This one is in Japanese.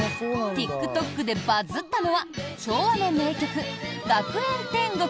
ＴｉｋＴｏｋでバズったのは昭和の名曲「学園天国」